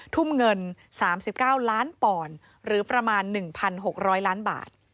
ทุ่มเงิน๓๙ล้านปอนด์หรือประมาณ๑๖๐๐ล้านบาท